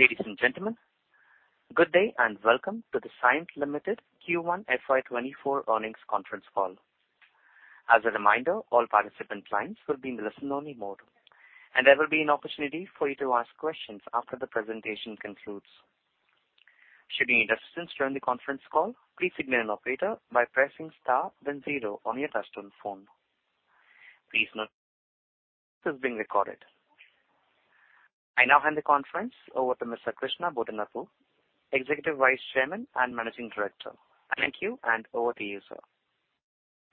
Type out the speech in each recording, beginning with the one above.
Ladies and gentlemen, good day, welcome to the Cyient Limited Q1 FY 2024 earnings conference call. As a reminder, all participant lines will be in a listen-only mode. There will be an opportunity for you to ask questions after the presentation concludes. Should you need assistance during the conference call, please signal an operator by pressing star then zero on your touchtone phone. Please note, this is being recorded. I now hand the conference over to Mr. Krishna Bodanapu, Executive Vice Chairman and Managing Director. Thank you. Over to you, sir.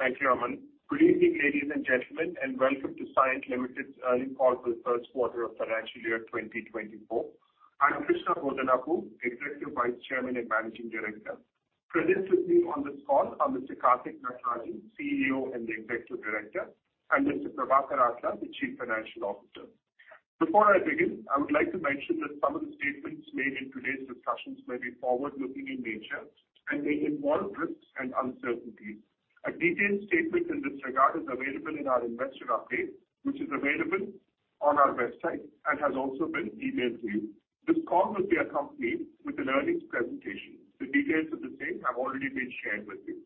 Thank you, Aman. Good evening, ladies and gentlemen, welcome to Cyient Limited's earnings call for the first quarter of financial year 2024. I'm Krishna Bodanapu, Executive Vice Chairman and Managing Director. Present with me on this call are Mr. Karthikeyan Natarajan, CEO and the Executive Director, and Mr. Prabhakar Atla, the Chief Financial Officer. Before I begin, I would like to mention that some of the statements made in today's discussions may be forward-looking in nature and may involve risks and uncertainties. A detailed statement in this regard is available in our investor update, which is available on our website and has also been emailed to you. This call will be accompanied with an earnings presentation. The details of the same have already been shared with you.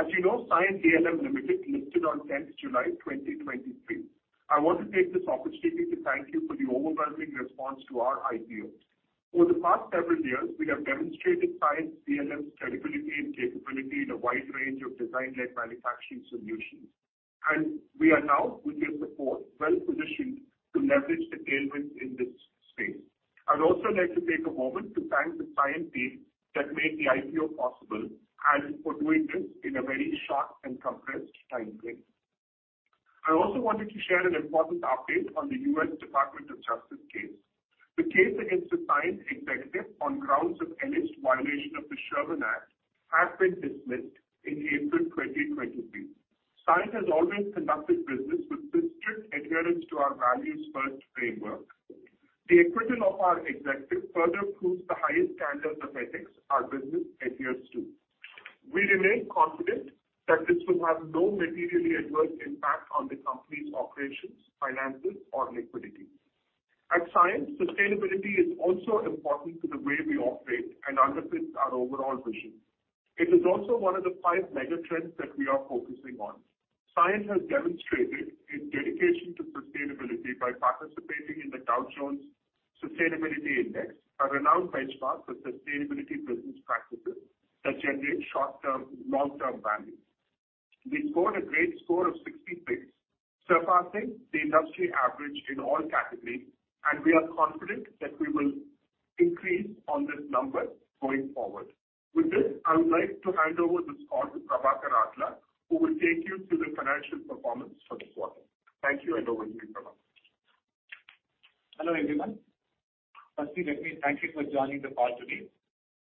As you know, Cyient DLM Limited listed on 10th July 2023. I want to take this opportunity to thank you for the overwhelming response to our IPO. Over the past several years, we have demonstrated Cyient DLM's credibility and capability in a wide range of design-led manufacturing solutions, and we are now, with your support, well-positioned to leverage the tailwind in this space. I'd also like to take a moment to thank the Cyient team that made the IPO possible, and for doing this in a very short and compressed timeframe. I also wanted to share an important update on the US Department of Justice case. The case against the Cyient executive on grounds of alleged violation of the Sherman Act has been dismissed in April 2023. Cyient has always conducted business with strict adherence to our values first framework. The acquittal of our executive further proves the highest standards of ethics our business adheres to. We remain confident that this will have no materially adverse impact on the company's operations, finances, or liquidity. At Cyient, sustainability is also important to the way we operate and underpins our overall vision. It is also one of the five mega trends that we are focusing on. Cyient has demonstrated its dedication to sustainability by participating in the Dow Jones Sustainability Index, a renowned benchmark for sustainability business practices that generate long-term value. We scored a great score of 66, surpassing the industry average in all categories, and we are confident that we will increase on this number going forward. With this, I would like to hand over this call to Prabhakar Atla, who will take you through the financial performance for the quarter. Thank you, and over to you, Prabhakar. Hello, everyone. Firstly, let me thank you for joining the call today.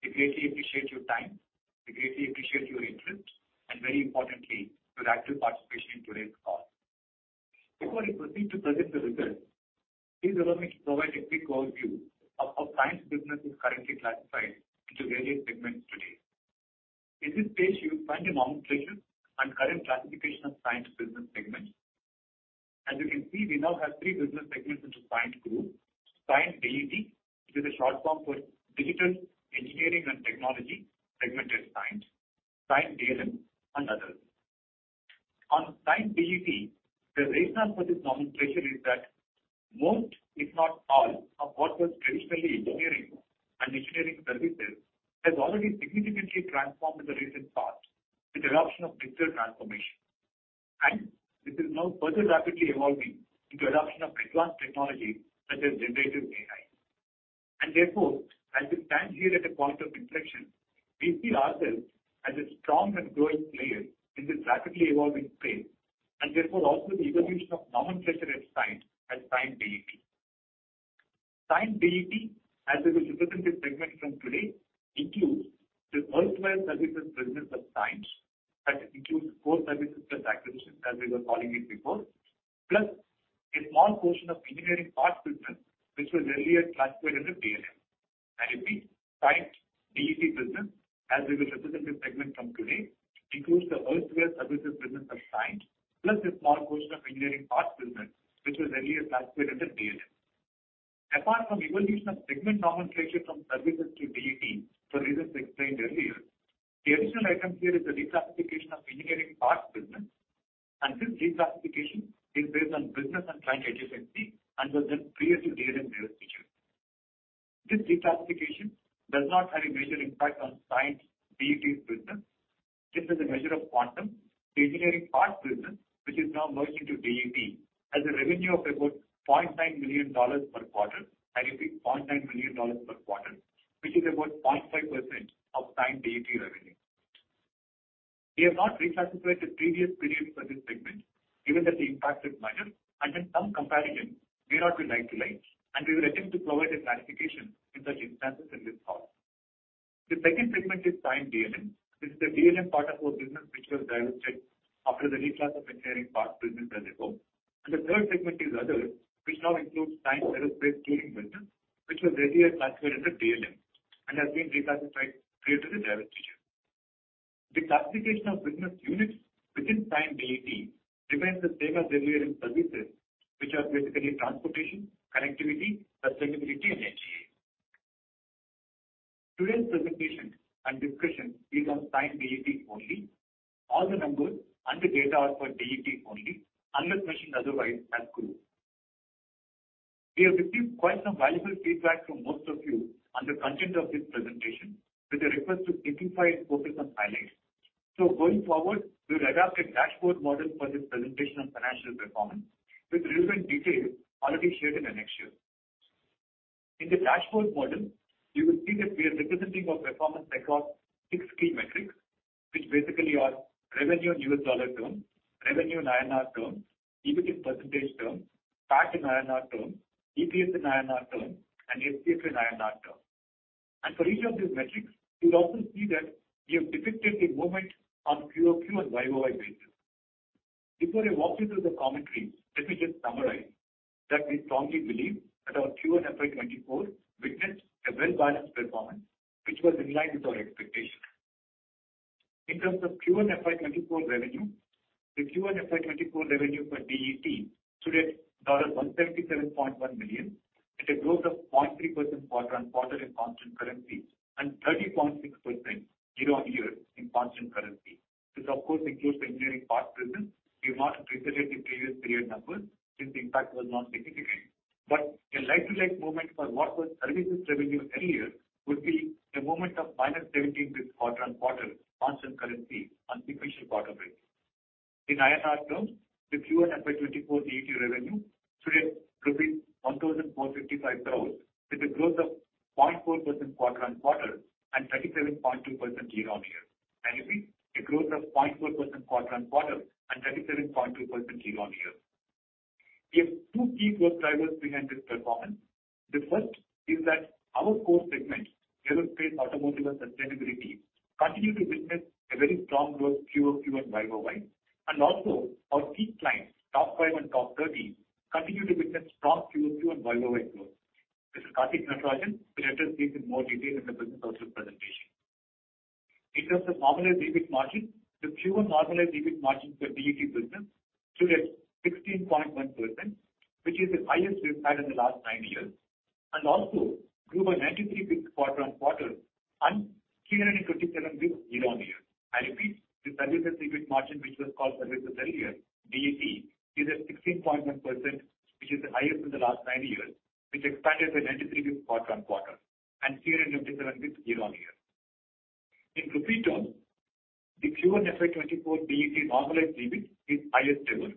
We greatly appreciate your time, we greatly appreciate your interest, and very importantly, your active participation in today's call. Before I proceed to present the results, please allow me to provide a quick overview of how Cyient's business is currently classified into various segments today. In this page, you'll find the nomenclature and current classification of Cyient's business segments. As you can see, we now have three business segments into Cyient group. Cyient DET, which is a short form for Digital Engineering and Technology segment is Cyient DLM, and Others. On Cyient DET, the reason for this nomenclature is that most, if not all, of what was traditionally engineering and engineering services, has already significantly transformed in the recent past with the adoption of digital transformation. This is now further rapidly evolving into adoption of advanced technology, such as generative AI. Therefore, as we stand here at a point of inflection, we see ourselves as a strong and growing player in this rapidly evolving space, and therefore, also the evolution of nomenclature at Cyient as Cyient DET. Cyient DET, as a representative segment from today, includes the erstwhile services business of Cyient, that includes core services plus acquisitions, as we were calling it before, plus a small portion of engineering parts business, which was earlier classified under DLM. I repeat, Cyient DET business, as a representative segment from today, includes the erstwhile services business of Cyient, plus a small portion of engineering parts business, which was earlier classified under DLM. Apart from evolution of segment nomenclature from services to DET, for reasons explained earlier, the additional item here is the reclassification of engineering parts business, and this reclassification is based on business and client adjacency, and was then previously held in their situation. This reclassification does not have a major impact on Cyient's DET business. Just as a measure of quantum, the engineering parts business, which is now merged into DET, has a revenue of about $0.9 million per quarter. I repeat, $0.9 million per quarter, which is about 0.5% of Cyient DET revenue. We have not reclassified the previous periods for this segment, given that the impact is minor and then some comparison may not be like to like, and we will attempt to provide a clarification in such instances in this call. The second segment is Cyient DLM. This is the DLM part of our business, which was diluted after the reclass of engineering parts business as before. The third segment is Other, which now includes Cyient aerospace tooling business, which was earlier classified under DLM and has been reclassified due to the diversity. The classification of business units within Cyient DET depends the same as delivery and services, which are basically transportation, connectivity, sustainability, and HDA. Today's presentation and discussion is on Cyient DET only. All the numbers and the data are for DET only, unless mentioned otherwise as group. We have received quite some valuable feedback from most of you on the content of this presentation, with a request to simplify and focus on highlights. Going forward, we'll adopt a dashboard model for this presentation on financial performance, with relevant details already shared in the next year. In the dashboard model, you will see that we are representing our performance across six key metrics, which basically are revenue in US dollar term, revenue in INR term, EBIT % term, PAT in INR term, EPS in INR term, and FCF in INR term. For each of these metrics, you'll also see that we have depicted the movement on QOQ and YOY basis. Before I walk you through the commentary, let me just summarize that we strongly believe that our Q1 FY 2024 witnessed a well-balanced performance, which was in line with our expectations. In terms of Q1 FY 2024 revenue, the Q1 FY 2024 revenue for DET stood at $177.1 million, at a growth of 0.3% quarter-on-quarter in constant currency and 30.6% year-on-year in constant currency. This, of course, includes the engineering part business. We have not presented the previous period numbers since the impact was not significant. A like-to-like movement for what was services revenue earlier, would be a movement of minus 17 bits quarter-on-quarter, constant currency, and sequential quarter break. In INR terms, the Q1 FY 2024 DET revenue stood at rupees 1,455 crores, with a growth of 0.4% quarter-on-quarter and 37.2% year-on-year. I repeat, a growth of 0.4% quarter-on-quarter and 37.2% year-on-year. We have two key growth drivers behind this performance. The first is that our core segments, aerospace, automotive, and sustainability, continue to witness a very strong growth QOQ and YOY, and also our key clients, top five and top 30, continue to witness strong QOQ and YOY growth. Mr. Karthik Natarajan will address this in more detail in the business outlook presentation. In terms of normalized EBIT margin, the Q1 normalized EBIT margin for DET business stood at 16.1%, which is the highest we've had in the last nine years, and also grew by 93 basis points quarter-on-quarter and 327 basis points year-on-year. I repeat, the services EBIT margin, which was called services earlier, DET, is at 16.1%, which is the highest in the last nine years, which expanded by 93 basis points quarter-on-quarter and 327 basis points year-on-year. In rupee terms, the Q1 FY 2024 DET normalized EBIT is highest ever,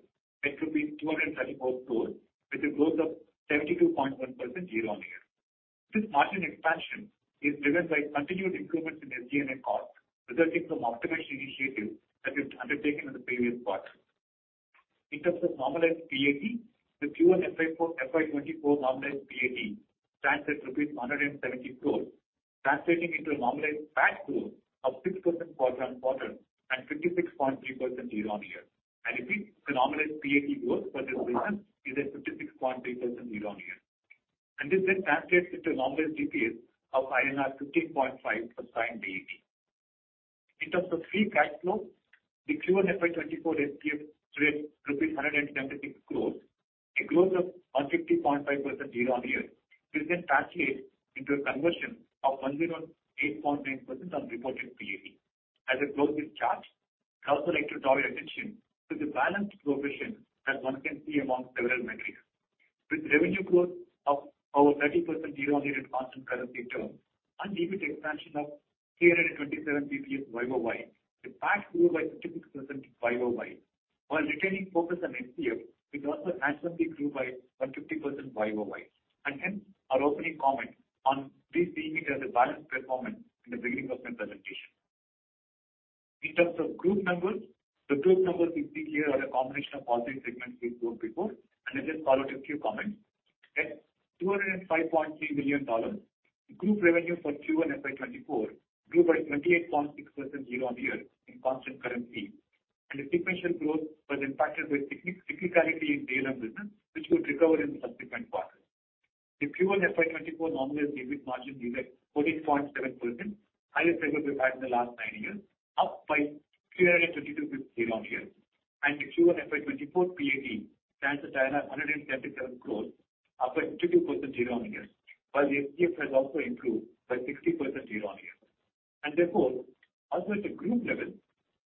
at 234 crores, with a growth of 72.1% year-on-year. This margin expansion is driven by continued improvements in SG&A costs, resulting from optimization initiatives that we've undertaken in the previous quarter. In terms of normalized PAT, the Q1 FY 2024 normalized PAT stands at INR 170 crores, translating into a normalized PAT growth of 6% quarter-on-quarter and 56.3% year-on-year. I repeat, the normalized PAT growth for this business is at 56.3% year-on-year. This then translates into a normalized EPS of INR 50.5 for Cyient DET. In terms of free cash flow, the Q1 FY 2024 FCF stood at rupees 176 crores, a growth of 150.5% year-on-year, which then translates into a conversion of 108.9% on reported PAT. As I close this chart, I'd also like to draw your attention to the balanced progression that one can see among several metrics. With revenue growth of over 30% year-on-year at constant currency terms and EBIT expansion of 327 basis points YOY, the PAT grew by 56% YOY, while retaining focus on FCF, which also absolutely grew by 150% YOY. Hence, our opening comment on we seeing it as a balanced performance in the beginning of my presentation. In terms of group numbers, the group numbers, you see here, are a combination of all three segments we went before, I just follow with a few comments. At $205.3 million, the group revenue for Q1 FY24 grew by 28.6% year-on-year in constant currency, the sequential growth was impacted with techni-cyclicality in DLM business, which would recover in the subsequent quarter. The Q1 FY24 normalized EBIT margin was at 14.7%, highest ever we've had in the last nine years, up by 332 bit year-on-year. The Q1 FY24 PAT stands at 177 crores, up by 52% year-on-year, while the FCF has also improved by 60% year-on-year. Therefore, also at the group level,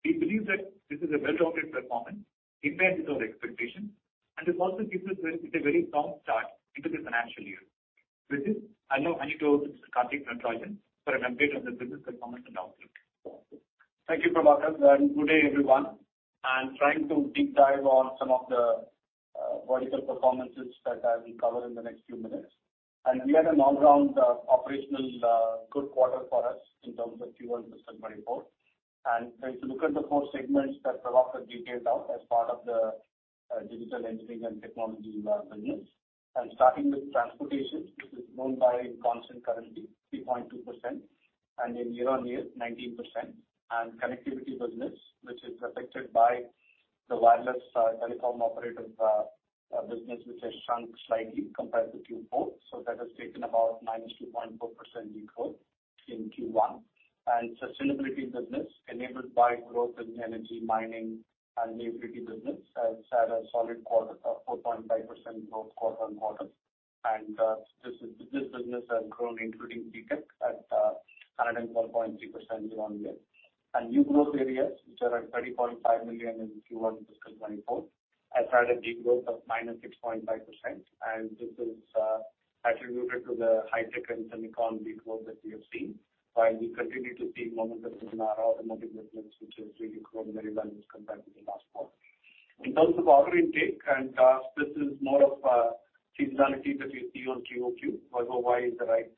we believe that this is a well-rounded performance, in line with our expectations, and this also gives us a very strong start into the financial year. With this, I'll now hand it over to Mr. Karthik Natarajan for an update on the business performance and outlook. Thank you, Prabhakar, good day, everyone. I'm trying to deep dive on some of the vertical performances that I will cover in the next few minutes. We had an all-round operational good quarter for us in terms of Q1 FY24. If you look at the four segments that Prabhakar detailed out as part of the Digital Engineering and Technology business. Starting with transportation, which is grown by constant currency, 3.2%, and then year-on-year, 19%. Connectivity business, which is affected by the wireless telecom operative business, which has shrunk slightly compared to Q4, so that has taken about -2.4% decline in Q1. Sustainability business, enabled by growth in energy mining and utility business, has had a solid quarter of 4.5% growth quarter-on-quarter. This business has grown, including VTech, at 104.3% year-over-year. New Growth Areas, which are at $30.5 million in Q1 FY24, has had a deep growth of -6.5%, this is attributed to the high-tech and semicon growth that we have seen, while we continue to see momentum in our automotive business, which has really grown very well compared to the last quarter. In terms of order intake, this is more of seasonality that you see on QOQ, year-over-year is the right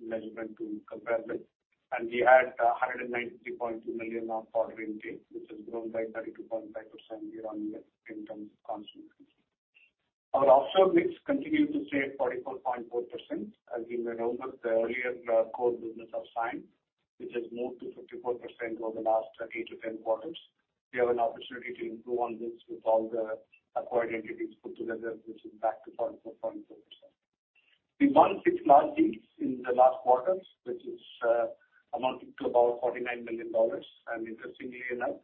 measurement to compare with. We had $193.2 million of order intake, which has grown by 32.5% year-on-year in terms of constant currency. Our offshore mix continued to stay at 44.4%, as you may remember, the earlier core business of Cyient, which has moved to 54% over the last eight to 10 quarters. We have an opportunity to improve on this with all the acquired entities put together, which is back to 44.4%. We won six large deals in the last quarter, which is amounting to about $49 million. Interestingly enough,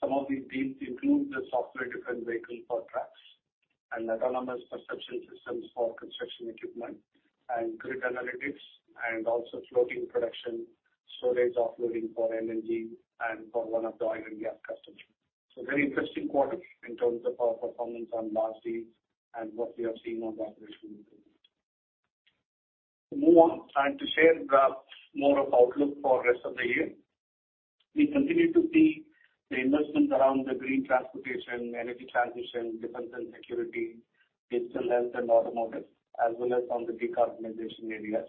some of these deals include the software-defined vehicle for trucks and autonomous perception systems for construction equipment and grid analytics, and also floating production, storage, offloading for LNG and for one of the oil and gas customers. Very interesting quarter in terms of our performance on large deals and what we have seen on the operational. To move on and to share more of outlook for rest of the year. We continue to see the investments around the green transportation, energy transition, defense and security, digital health and automotive, as well as on the decarbonization areas.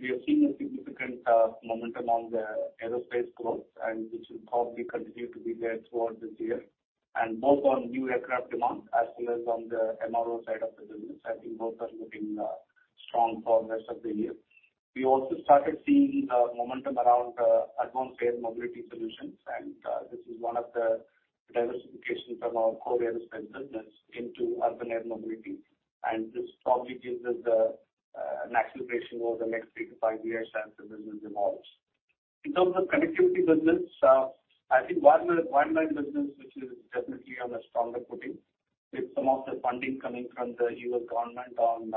We have seen a significant momentum on the aerospace growth, and this will probably continue to be there towards this year, and both on new aircraft demand as well as on the MRO side of the business. I think both are looking strong for the rest of the year. We also started seeing momentum around advanced air mobility solutions, and this is one of the diversifications of our core aerospace business into urban air mobility. This probably gives us an acceleration over the next three to five years as the business evolves. In terms of connectivity business, I think wireless wide business, which is definitely on a stronger footing, with some of the funding coming from the US government on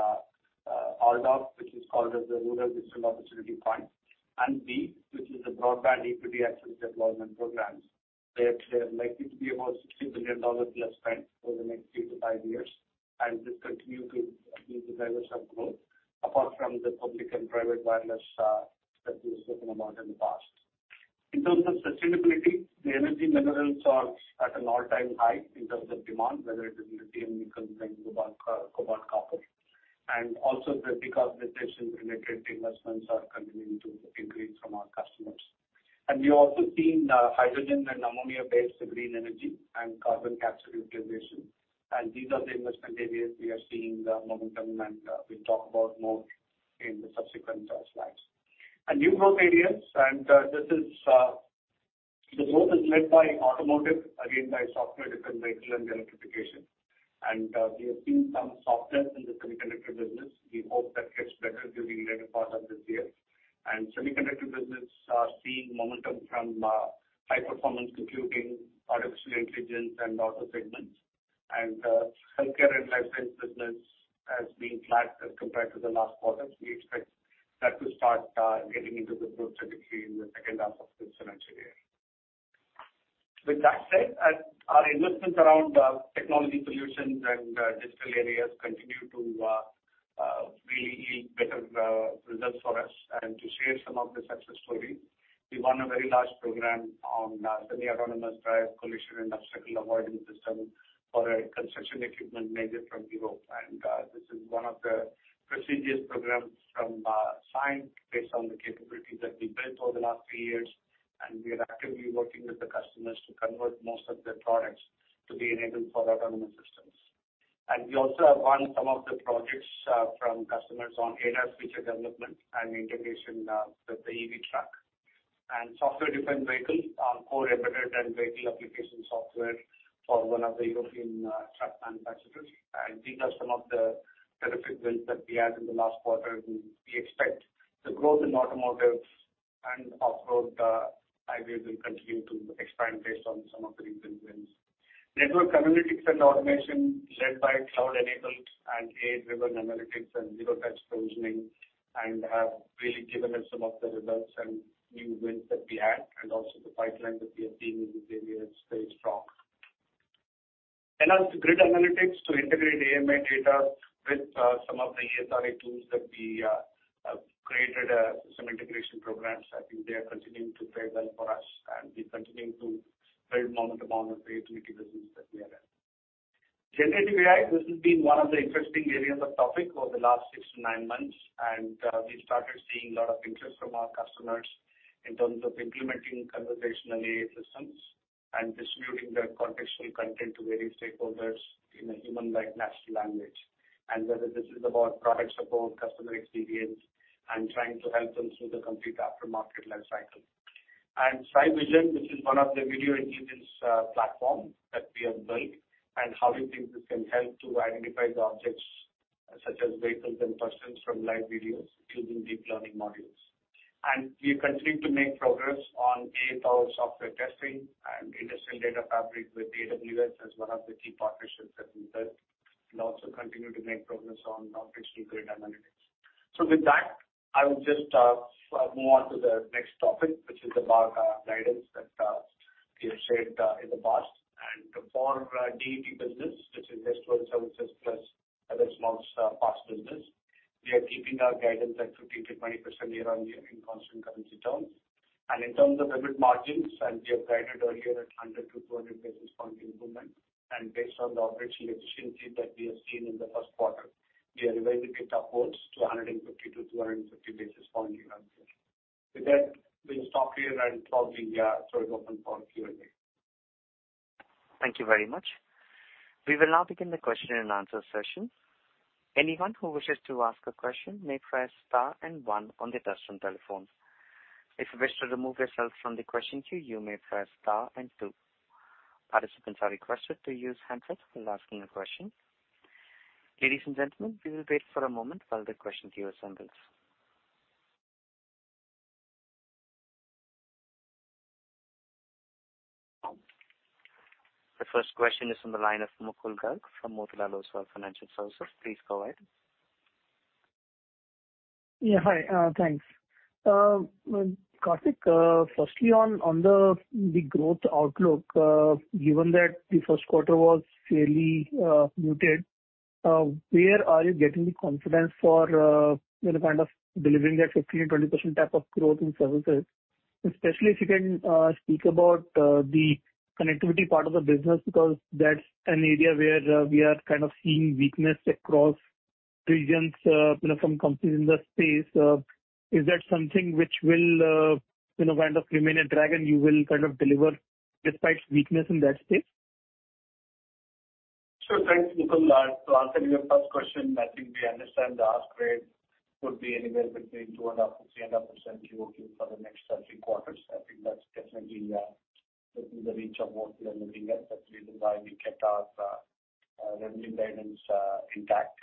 RDOF, which is called as the Rural Digital Opportunity Fund, and BEAD, which is the Broadband Equity, Access, and Deployment programs. They are likely to be about $60 billion plus spend over the next three to five years, and this continue to be the drivers of growth, apart from the public and private wireless, that we've spoken about in the past. In terms of sustainability, the energy minerals are at an all-time high in terms of demand, whether it is lithium, nickel, like cobalt, copper, and also the decarbonization related investments are continuing to increase from our customers. We are also seeing, hydrogen and ammonia-based green energy and carbon capture utilization. These are the investment areas we are seeing the momentum, we'll talk about more in the subsequent slides. New Growth Areas, this is the growth is led by automotive, again, by software-defined vehicle and electrification. We have seen some softness in the semiconductor business. We hope that gets better during later part of this year. Semiconductor business are seeing momentum from high-performance computing, artificial intelligence, and other segments. Healthcare and life science business has been flat as compared to the last quarter. We expect that to start getting into the growth trajectory in the H2 of this financial year. With that said, our investments around technology solutions and digital areas continue to really yield better results for us. To share some of the success stories, we won a very large program on semi-autonomous drive collision and obstacle avoidance system for a construction equipment major from Europe. This is one of the prestigious programs from Cyient, based on the capabilities that we built over the last three years, and we are actively working with the customers to convert most of their products to be enabled for autonomous systems. We also have won some of the projects from customers on ADAS feature development and integration with the EV truck. Software-defined vehicles, our core embedded and vehicle application software for one of the European truck manufacturers. These are some of the terrific wins that we had in the last quarter, and we expect the growth in automotive and off-road highways will continue to expand based on some of these wins. Network analytics and automation led by cloud-enabled and AI-driven analytics and zero-touch provisioning, and have really given us some of the results and new wins that we had, and also the pipeline that we have seen in this area is very strong. Enhanced grid analytics to integrate AMI data with some of the ESRA tools that we created some integration programs. I think they are continuing to fare well for us, and we're continuing to build momentum on the utility business that we are in. Generative AI, this has been one of the interesting areas of topic over the last six to nine months. We started seeing a lot of interest from our customers in terms of implementing conversational AI systems and distributing the contextual content to various stakeholders in a human-like natural language. Whether this is about product support, customer experience, and trying to help them through the complete aftermarket life cycle. SideVision, which is one of the video intelligence platform that we have built, and how we think this can help to identify the objects, such as vehicles and persons from live videos using deep learning modules. We continue to make progress on AThousand software testing and industrial data fabric with AWS as one of the key partnerships that we built, and also continue to make progress on optical grid analytics. With that, I will just move on to the next topic, which is about guidance that we have shared in the past. For DET business, which is managed services plus other small parts business, we are keeping our guidance at 15% to 20% year-on-year in constant currency terms. In terms of EBIT margins, we have guided earlier at 100 to 200 basis point improvement, and based on the operational efficiency that we have seen in the first quarter, we are revising it upwards to 150 to 250 basis point year-on-year. With that, we'll stop here and probably open for Q&A. Thank you very much. We will now begin the question and answer session. Anyone who wishes to ask a question may press star one on their touchtone telephone. If you wish to remove yourself from the question queue, you may press star two. Participants are requested to use handsets when asking a question. Ladies and gentlemen, we will wait for a moment while the question queue assembles. The first question is from the line of Mukul Garg from Motilal Oswal Financial Services. Please go ahead. Yeah, hi. Thanks. Karthik, firstly, on the growth outlook, given that the Q1 was fairly muted, where are you getting the confidence for, you know, kind of delivering that 15% to 20% type of growth in services? Especially if you can speak about the connectivity part of the business, that's an area where we are kind of seeing weakness across regions, you know, from companies in the space. Is that something which will, you know, kind of remain a drag, and you will kind of deliver despite weakness in that space? Sure. Thanks, Mukul. To answer your first question, I think we understand the ask rate would be anywhere between 2.5% and 3.5% QOQ for the next three quarters. I think that's definitely within the reach of what we are looking at. That's the reason why we kept our revenue guidance intact.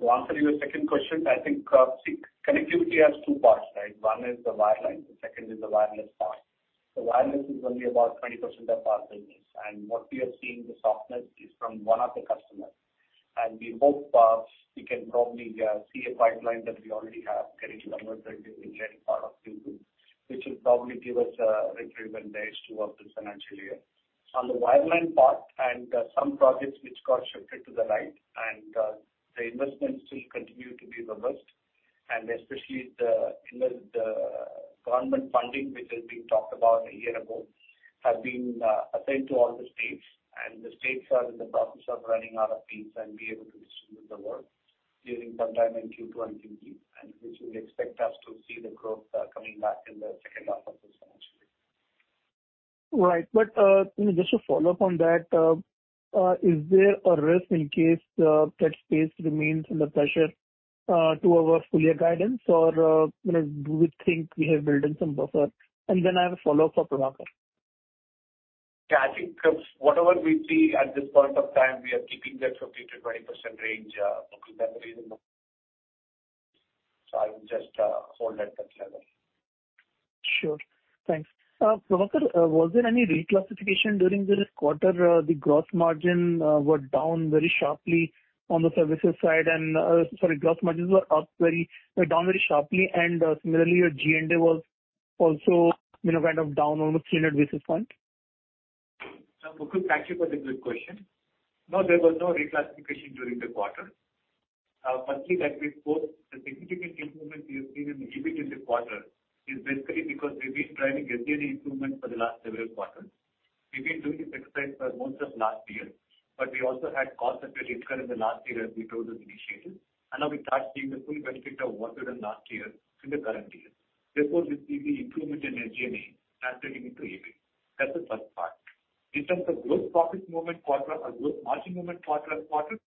To answer your second question, I think, see, connectivity has two parts, right? One is the wireline, the second is the wireless part. The wireless is only about 20% of our business, and what we are seeing, the softness is from one of the customers. We hope we can probably see a pipeline that we already have getting converted into any part of Q2, which will probably give us a little advantage towards the financial year. On the wireline part and some projects which got shifted to the right, the investments still continue to be reversed, and especially the government funding, which is being talked about a year ago, have been assigned to all the states. The states are in the process of running RFPs and be able to distribute the work during sometime in Q2 and Q3, which will expect us to see the growth coming back in the second half of this financial year. Right. you know, just to follow up on that, is there a risk in case that space remains under pressure to our full year guidance? you know, do we think we have built in some buffer? I have a follow-up for Prabhakar. Yeah, I think, whatever we see at this point of time, we are keeping that 15% to 20% range, Mukul. I would just hold at that level. Sure. Thanks. Prabhakar, was there any reclassification during this quarter? The gross margin were down very sharply on the services side and, Sorry, gross margins were up very, down very sharply, and, similarly, your SG&A was also, you know, kind of down almost 300 basis points. Mukul, thank you for the good question. No, there was no reclassification during the quarter. Firstly, as we spoke, the significant improvement we have seen in the EBITDA this quarter is basically because we've been driving SG&A improvement for the last several quarters. We've been doing this exercise for most of last year, but we also had cost structure in the last year as we told those initiatives, and now we start seeing the full benefit of what we did last year in the current year. We see the improvement in SG&A translating into EBIT. That's the first part. In terms of gross profit movement quarter, gross margin movement quarter-on-quarter,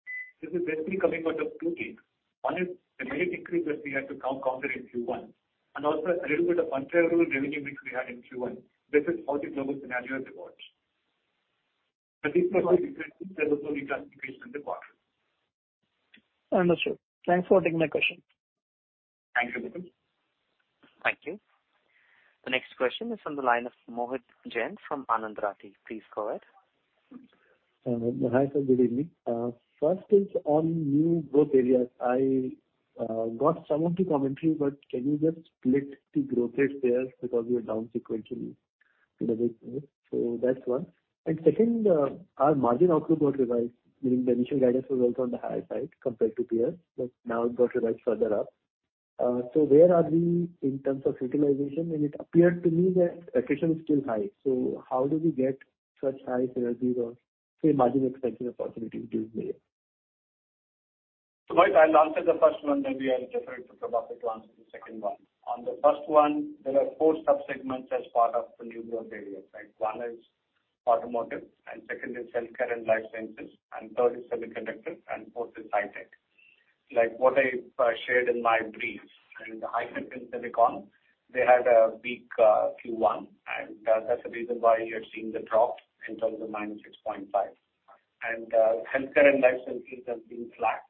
this is basically coming out of two things. One is the merit increase that we had to count in Q1, and also a little bit of unfavorable revenue mix we had in Q1. This is how the global scenario evolves. These were all, there was no reclassification in the quarter. I understand. Thanks for taking my question. Thank you, Mukul. Thank you. The next question is from the line of Mohit Jain from Anand Rathi. Please go ahead. Hi, sir. Good evening. First is on New Growth Areas. I got some of the commentary, but can you just split the growth rate there? We are down sequentially in a big way. That's one. Second, our margin outlook got revised, meaning the initial guidance was also on the higher side compared to peers, but now it got revised further up. Where are we in terms of utilization? It appeared to me that attrition is still high, how do we get such high synergy or say, margin expansion opportunity into play? Mohit, I'll answer the first one, then we'll defer it to Prabhakar to answer the second one. On the first one, there are four subsegments as part of the new growth areas, right? One automotive, second is healthcare and life sciences, third is semiconductor, fourth is high-tech. Like what I shared in my brief, in the high-tech and silicon, they had a weak Q1, that's the reason why you're seeing the drop in terms of negative six point five. Healthcare and life sciences have been flat,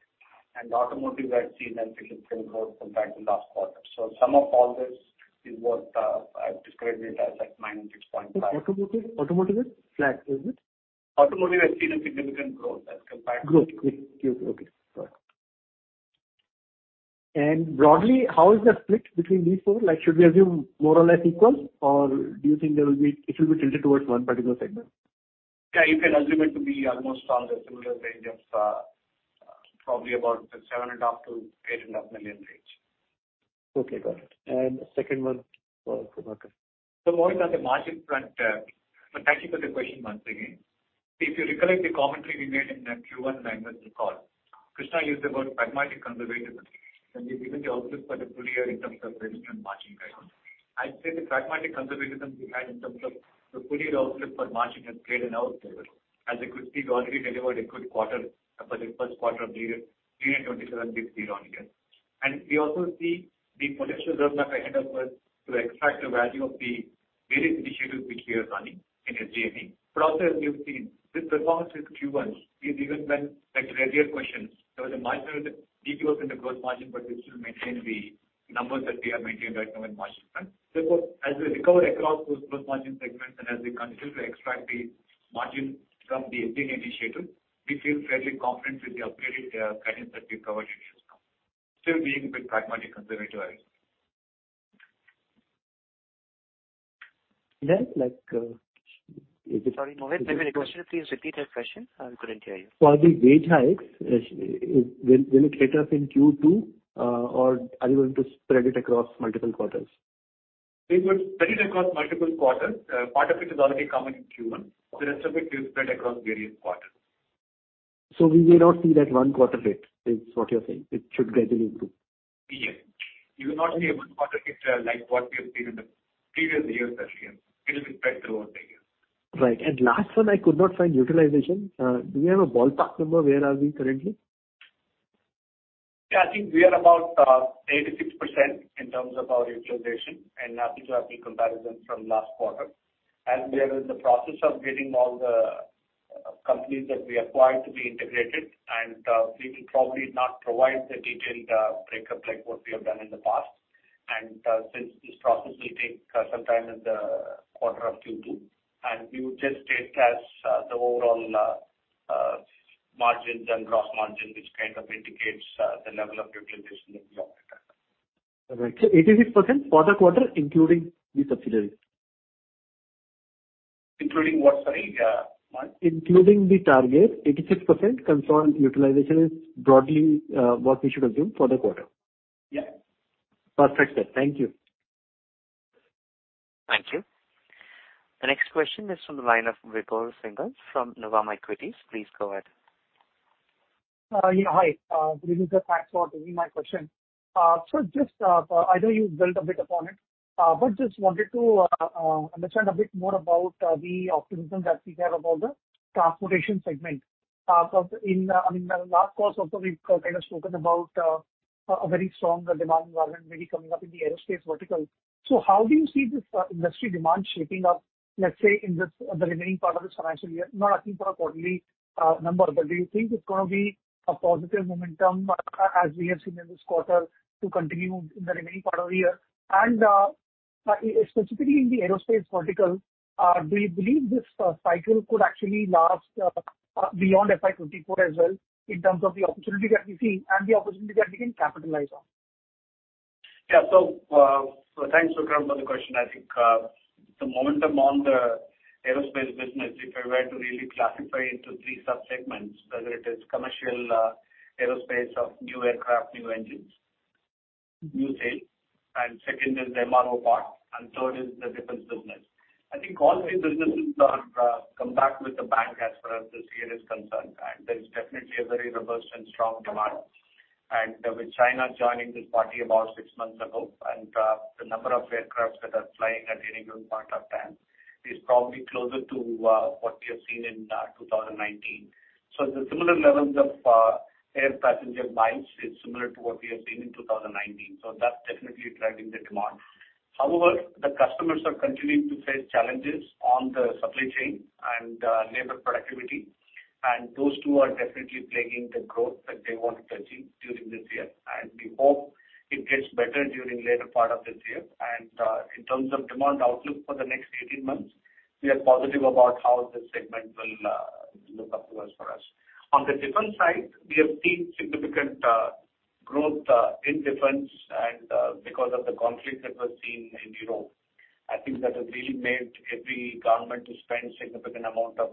automotive, I've seen a significant growth compared to last quarter. Sum of all this is what I've described it as like negative six point five. Automotive, automotive is flat, is it? Automotive, I've seen a significant growth as compared- Growth. Good. Okay, got it. Broadly, how is the split between these four? Like, should we assume more or less equal, or do you think it will be tilted towards one particular segment? Yeah, you can assume it to be almost on the similar range of, probably about $7.5 million to $8.5 million range. Okay, got it. Second one for Prabhakar. Mohit, on the margin front, thank you for the question once again. If you recollect the commentary we made in the Q1 earnings call, Krishna used the word pragmatic conservatism, and we've given the outlook for the full year in terms of revenue and margin guidance. I'd say the pragmatic conservatism we had in terms of the full year outlook for margin has played in our favor. As you could see, we already delivered a good quarter for the Q1 of the year, 3.27 billion year. We also see the potential roadmap ahead of us to extract the value of the various initiatives which we are running in SGE. Also, you've seen this performance in Q1 is even when, like, earlier questions, there was a marginal decrease in the growth margin, but we still maintain the numbers that we have maintained right now in margin front. As we recover across those growth margin segments and as we continue to extract the margin from the SGE initiative, we feel fairly confident with the updated guidance that we've provided you just now. Still being a bit pragmatic conservative. Then, like, uh, is it- Sorry, Mohit, maybe the question, please repeat that question. I couldn't hear you. For the wage hikes, will it hit us in Q2, or are you going to spread it across multiple quarters? We would spread it across multiple quarters. Part of it is already coming in Q1. The rest of it will spread across various quarters. We may not see that one quarter hit, is what you're saying? It should gradually improve. Yes. You will not see a one quarter hit, like what we have seen in the previous years, last year. It will be spread throughout the year. Right. Last one, I could not find utilization. Do you have a ballpark number, where are we currently? I think we are about 86% in terms of our utilization and actually to our comparison from last quarter. As we are in the process of getting all the companies that we acquired to be integrated, we will probably not provide the detailed breakup like what we have done in the past. Since this process will take some time in the quarter of Q2, and we would just take as the overall margins and gross margin, which kind of indicates the level of utilization of the operator. All right. 86% for the quarter, including the subsidiaries? Including what, sorry, Mohit? Including the target, 86% confirmed utilization is broadly, what we should assume for the quarter. Yeah. Perfect, sir. Thank you. Thank you. The next question is from the line of Vibhor Singhal from Nuvama Equities. Please go ahead. Yeah, hi, good evening, sir. Thanks for taking my question. Just, I know you built a bit upon it, but just wanted to understand a bit more about the optimism that we have about the transportation segment. In the, I mean, the last quarter also, we've kind of spoken about a very strong demand environment really coming up in the aerospace vertical. How do you see this industry demand shaping up, let's say, in this, the remaining part of this financial year? Not asking for a quarterly number, but do you think it's going to be a positive momentum as we have seen in this quarter to continue in the remaining part of the year? Specifically in the aerospace vertical, do you believe this cycle could actually last beyond FY 2024 as well, in terms of the opportunity that we see and the opportunity that we can capitalize on? Thanks, Vibhor, for the question. I think the momentum on the aerospace business, if I were to really classify into three subsegments, whether it is commercial aerospace of new aircraft, new engines, new sales, and second is the MRO part, and third is the defense business. I think all three businesses are come back with the bank as far as this year is concerned, there is definitely a very robust and strong demand. With China joining this party about six months ago, the number of aircraft that are flying at any given point of time is probably closer to what we have seen in 2019. The similar levels of air passenger miles is similar to what we have seen in 2019. That's definitely driving the demand. However, the customers are continuing to face challenges on the supply chain and labor productivity, and those two are definitely plaguing the growth that they want to achieve during this year. We hope it gets better during later part of this year. In terms of demand outlook for the next 18 months, we are positive about how this segment will look up to us for us. On the defense side, we have seen significant growth in defense and because of the conflict that was seen in Europe. I think that has really made every government to spend significant amount of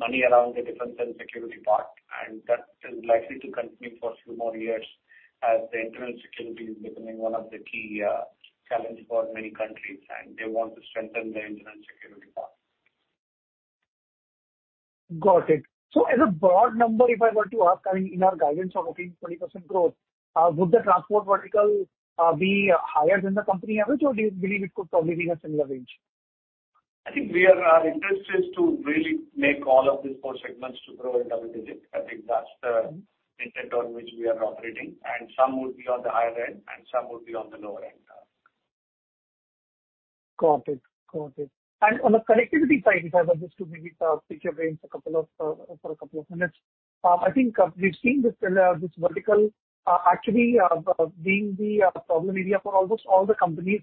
money around the defense and security part, and that is likely to continue for a few more years as the internal security is becoming one of the key challenge for many countries, and they want to strengthen their internal security part. Got it. As a broad number, if I were to ask, I mean, in our guidance of 18% to 20% growth, would the transport vertical be higher than the company average, or do you believe it could probably be a similar range? I think we are interested to really make all of these four segments to grow in double digits. I think that's the intent on which we are operating. Some would be on the higher end and some would be on the lower end. Got it. Got it. On the connectivity side, if I were just to maybe pick your brains a couple of for a couple of minutes. I think we've seen this this vertical actually being the problem area for almost all the companies,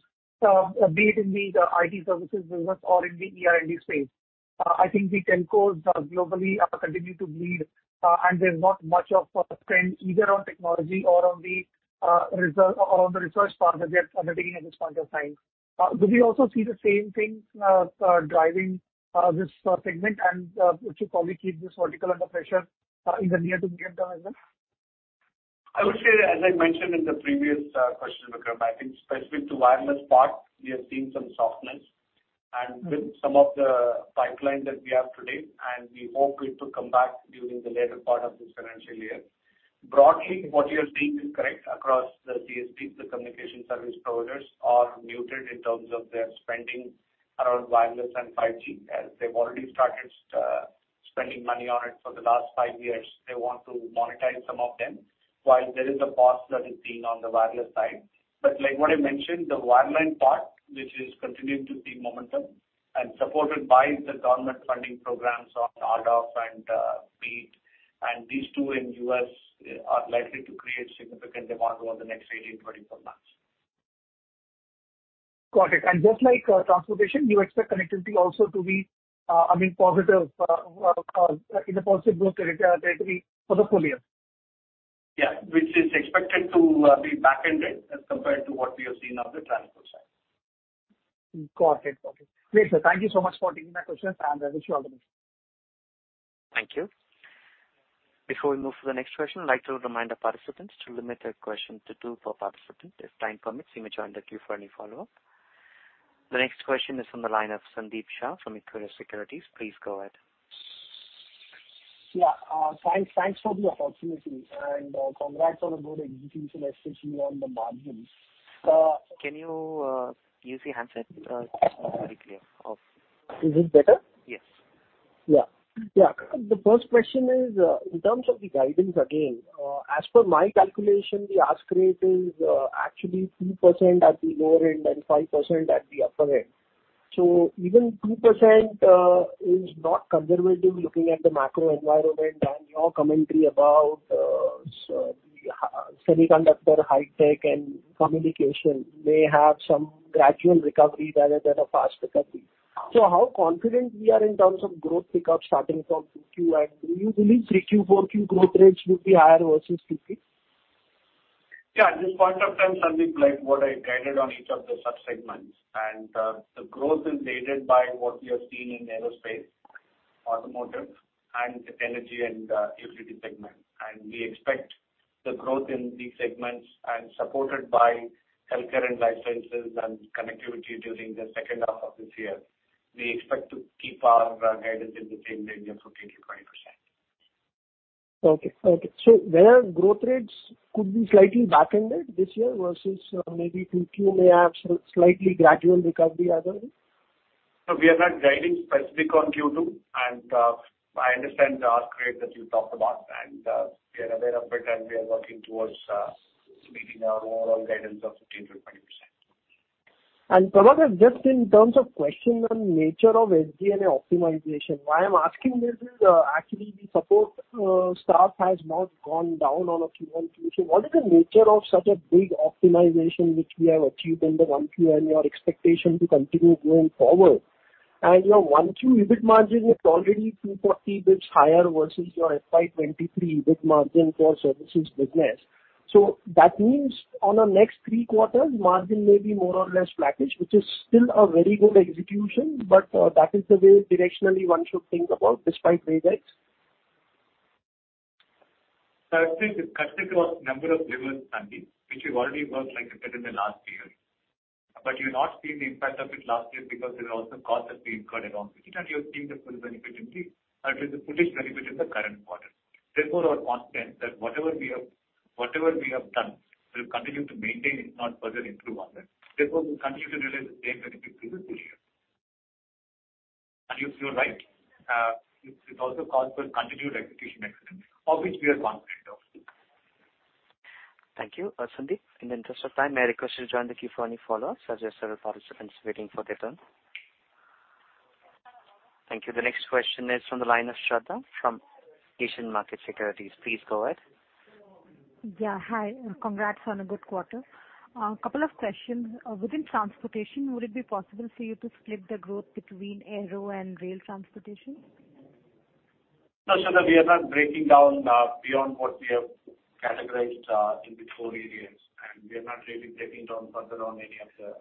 be it in the IT services business or in the ER&D space. I think the telcos globally continue to bleed, and there's not much of a trend either on technology or on the reserve, or on the research part that we are undertaking at this point of time. Do we also see the same things driving this segment, and which will probably keep this vertical under pressure in the near to medium term as well? I would say, as I mentioned in the previous question, Vikram, I think specific to wireless part, we have seen some softness and with some of the pipeline that we have today. We hope it will come back during the later part of this financial year. Broadly, what you are seeing is correct across the CSPs, the communication service providers, are muted in terms of their spending around wireless and 5G, as they've already started spending money on it for the last five years. They want to monetize some of them, while there is a pause that is seen on the wireless side. Like what I mentioned, the wireline part, which is continuing to see momentum and supported by the government funding programs on RDOF and BEAD, and these two in U.S. are likely to create significant demand over the next 18 to 24 months. Got it. Just like transportation, you expect connectivity also to be, I mean, positive, in a positive growth territory, for the full year? Which is expected to be back-ended as compared to what we have seen on the transport side. Got it. Great, sir. Thank you so much for taking my questions, and I wish you all the best. Thank you. Before we move to the next question, I'd like to remind our participants to limit their question to two per participant. If time permits, you may join the queue for any follow-up. The next question is from the line of Sandeep Shah from Equirus Securities. Please go ahead. Yeah, thanks for the opportunity, and, congrats on a good execution, especially on the margins. Can you use the handset? It's not very clear. Is it better? Yes. Yeah. The first question is in terms of the guidance, again, as per my calculation, the ask rate is actually 2% at the lower end and 5% at the upper end. Even 2% is not conservative, looking at the macro environment and your commentary about the semiconductor, high tech, and communication, may have some gradual recovery rather than a fast recovery. How confident we are in terms of growth pick up starting from Q2, and do you believe 3Q, 4Q growth rates would be higher versus Q3? Yeah, just point of time, Sandeep, like what I guided on each of the subsegments. The growth is aided by what we have seen in aerospace, automotive, and energy and utility segment. We expect the growth in these segments and supported by healthcare and life sciences and connectivity during the second half of this year. We expect to keep our guidance in the same range of 18% to 20%. Okay. Where growth rates could be slightly back-ended this year versus maybe Q2 may have slightly gradual recovery as well? No, we are not guiding specific on Q2. I understand the ask rate that you talked about. We are aware of it. We are working towards meeting our overall guidance of 18% to 20%. Pramath, just in terms of question on nature of SG&A optimization. Why I'm asking this is, actually, the support staff has not gone down on a Q1Q2. What is the nature of such a big optimization which we have achieved in the Q1, and your expectation to continue going forward? Your Q1 EBIT margin is already 240 basis higher versus your FY 2023 EBIT margin for services business. That means on a next three quarters, margin may be more or less flattish, which is still a very good execution, but that is the way directionally one should think about despite wage hikes. I think it cuts across a number of levers, Sandeep, which we've already worked, like I said, in the last year. You've not seen the impact of it last year because there was also costs that we incurred along, which you're not seeing the full benefit with the full benefit in the current quarter. Therefore, our confidence that whatever we have, whatever we have done, we'll continue to maintain, if not further improve on that. Therefore, we'll continue to realize the same benefits through this full year. You, you're right, it also calls for continued execution excellence, of which we are confident of. Thank you, Sandeep. In the interest of time, may I request you to join the queue for any follow-ups, as there are several participants waiting for their turn? Thank you. The next question is from the line of Shradha from Asian Market Securities. Please go ahead. Yeah, hi, congrats on a good quarter. Couple of questions. Within transportation, would it be possible for you to split the growth between aero and rail transportation? No, Shraddha, we are not breaking down, beyond what we have categorized, into four areas, and we are not really breaking it down further on any of the.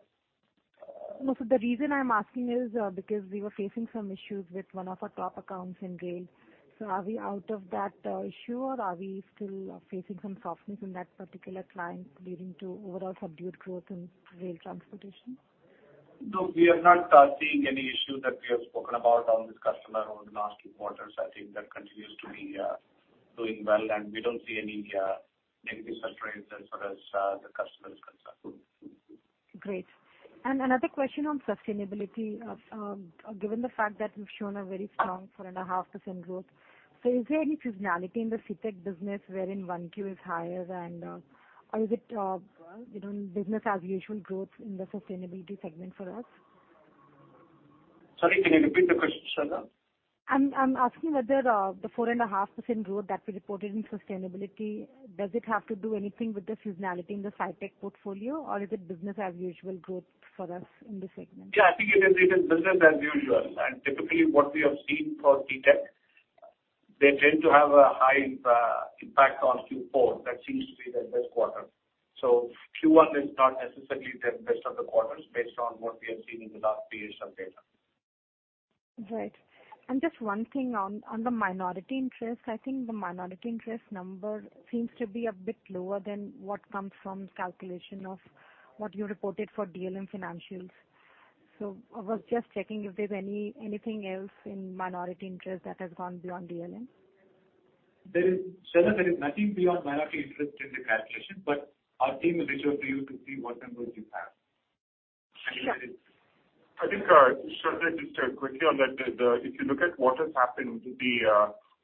No, the reason I'm asking is, because we were facing some issues with one of our top accounts in rail. Are we out of that issue, or are we still facing some softness in that particular client, leading to overall subdued growth in rail transportation? No, we are not seeing any issue that we have spoken about on this customer over the last quarters. I think that continues to be doing well, and we don't see any negative surprise as far as the customer is concerned. Great. Another question on sustainability. Given the fact that you've shown a very strong 4.5% growth, is there any seasonality in the Citec business wherein 1Q is higher or is it, you know, business as usual growth in the sustainability segment for us? Sorry, can you repeat the question, Shradha? I'm asking whether the 4.5% growth that we reported in sustainability, does it have to do anything with the seasonality in the Citec portfolio, or is it business as usual growth for us in this segment? I think it is business as usual. Typically, what we have seen for Citec, they tend to have a high impact on Q4. That seems to be their best quarter. Q1 is not necessarily their best of the quarters based on what we have seen in the last three years of data. Right. Just one thing on the minority interest. I think the minority interest number seems to be a bit lower than what comes from calculation of what you reported for DLM financials. I was just checking if there's anything else in minority interest that has gone beyond DLM. Shradha, there is nothing beyond minority interest in the calculation, but our team will reach out to you to see what numbers you have. Sure. I think, Shraddha, just quickly on that, if you look at what has happened with the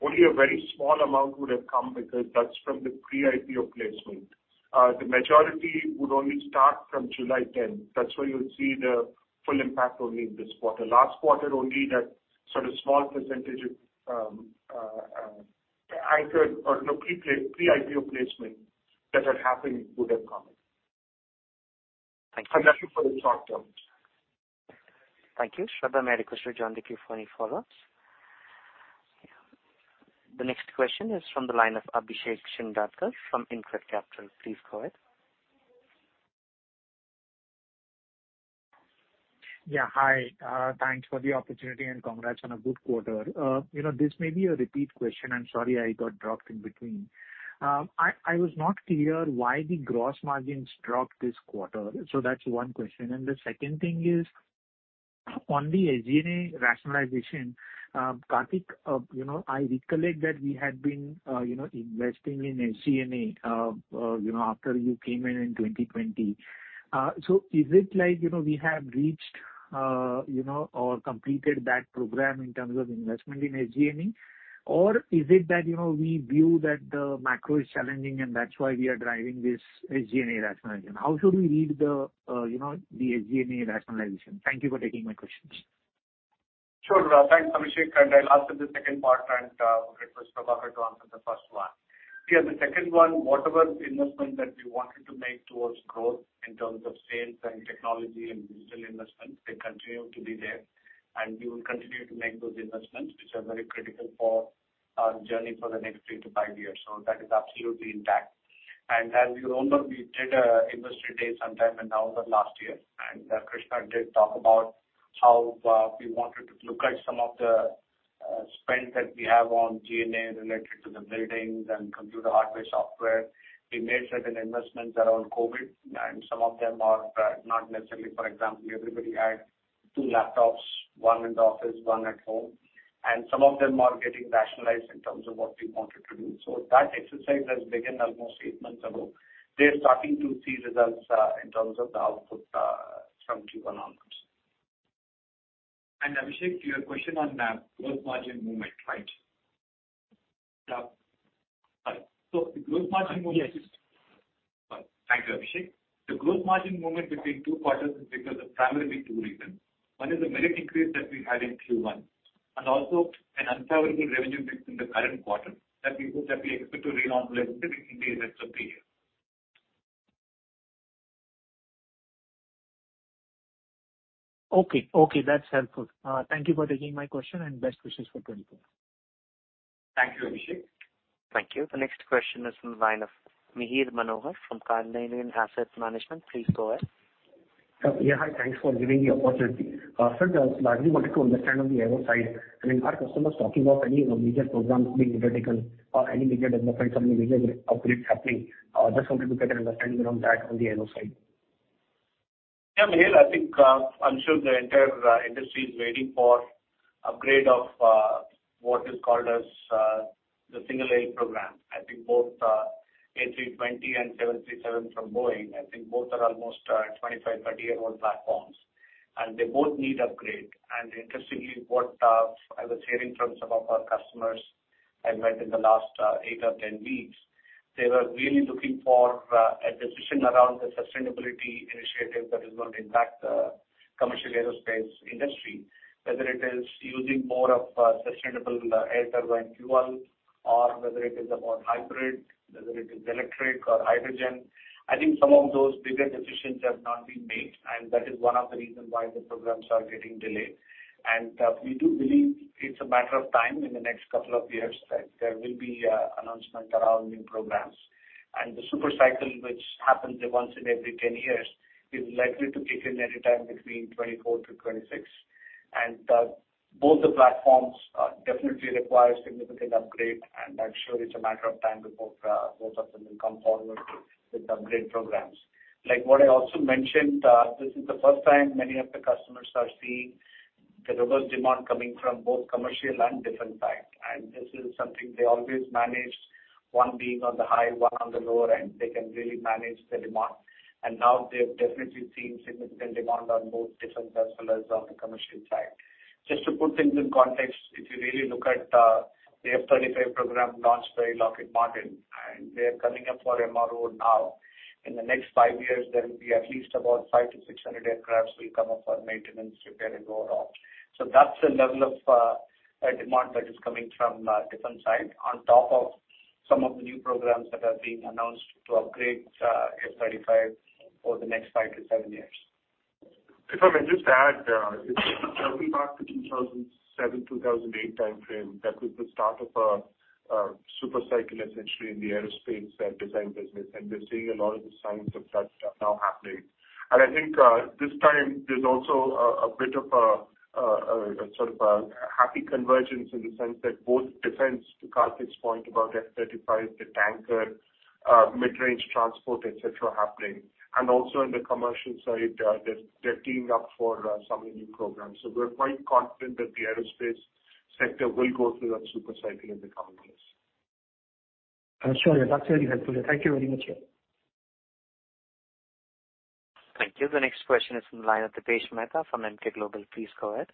only a very small amount would have come, because that's from the pre-IPO placement. The majority would only start from July 10th. That's where you'll see the full impact only in this quarter. Last quarter, only that sort of small percentage of either or no pre-IPO placement that had happened would have come in. Thank you. That's it for the short term. Thank you. Shradha, may I request to join the queue for any follow-ups. The next question is from the line of Abhishek Shindadkar from InCred Capital. Please go ahead. Yeah, hi. Thanks for the opportunity, and congrats on a good quarter. You know, this may be a repeat question. I'm sorry I got dropped in between. I was not clear why the gross margins dropped this quarter. That's one question. The second thing is, on the SG&A rationalization, Karthik, you know, I recollect that we had been, you know, investing in SG&A, you know, after you came in in 2020. Is it like, you know, we have reached, you know, or completed that program in terms of investment in SG&A? Is it that, you know, we view that the macro is challenging, and that's why we are driving this SG&A rationalization? How should we read the, you know, the SG&A rationalization? Thank you for taking my questions. Sure. Thanks, Abhishek, I'll answer the second part, request Prabhakar to answer the first one. The second one, whatever investment that we wanted to make towards growth in terms of sales and technology and digital investments, they continue to be there. We will continue to make those investments, which are very critical for our journey for the next three to five years. That is absolutely intact. As you remember, we did an Industry Day sometime in November 2022, Krishna did talk about how we wanted to look at some of the spend that we have on G&A related to the buildings and computer hardware, software. We made certain investments around COVID, and some of them are not necessary. For example, everybody had two laptops, one in the office, one at home. Some of them are getting rationalized in terms of what we wanted to do. That exercise has begun almost eight months ago. They're starting to see results, in terms of the output, from Q1 onwards. Abhishek, your question on the gross margin movement, right? Yeah. The gross margin movement. Yes. Thank you, Abhishek. The gross margin movement between two quarters is because of primarily two reasons. One is the merit increase that we had in Q1, and also an unfavorable revenue mix in the current quarter that we expect to normalize in the next three years. Okay, okay, that's helpful. Thank you for taking my question, and best wishes for 2024. Thank you, Abhishek. Thank you. The next question is from the line of Mihir Manohar from Carnelian Asset Advisors. Please go ahead. Hi, thanks for giving the opportunity. First, I largely wanted to understand on the aero side, I mean, are customers talking about any major programs being undertaken or any major developments or any major upgrades happening? Just wanted to get an understanding around that on the aero side. Mihir, I think, I'm sure the entire industry is waiting for upgrade of what is called as the Single Aisle program. Both A320 and 737 from Boeing, I think both are almost 25, 30 year old platforms, they both need upgrade. Interestingly, what I was hearing from some of our customers I met in the last eight or 10 weeks, they were really looking for a decision around the sustainability initiative that is going to impact the commercial aerospace industry. Whether it is using more of sustainable air turbine fuel, or whether it is about hybrid, whether it is electric or hydrogen. Some of those bigger decisions have not been made, that is one of the reasons why the programs are getting delayed. We do believe it's a matter of time in the next couple of years, that there will be an announcement around new programs. The super cycle, which happens once in every 10 years, is likely to kick in anytime between 2024 to 2026. Both the platforms definitely require significant upgrade, and I'm sure it's a matter of time before both of them will come forward with upgrade programs. Like what I also mentioned, this is the first time many of the customers are seeing the reverse demand coming from both commercial and different type. This is something they always manage, one being on the high, one on the lower end, they can really manage the demand. Now they've definitely seen significant demand on both different as well as on the commercial side. Just to put things in context, if you really look at the F-35 program launched by Lockheed Martin. They are coming up for MRO now. In the next five years, there will be at least about 500 to 600 aircrafts will come up for maintenance, repair, and overall. That's the level of demand that is coming from different side, on top of some of the new programs that are being announced to upgrade F-35 over the next five to seven years. If I may just add, going back to 2007, 2008 time frame, that was the start of a super cycle, essentially, in the aerospace and design business, and we're seeing a lot of the signs of that now happening. I think, this time there's also a bit of a happy convergence in the sense that both defense, to Karthik's point about F-35, the tanker, mid-range transport, et cetera, happening. Also in the commercial side, they're teeing up for some of the new programs. We're quite confident that the aerospace sector will go through that super cycle in the coming years. I'm sure. Yeah, that's very helpful. Thank you very much, sir. Thank you. The next question is from the line of Dipesh Mehta from MK Global. Please go ahead.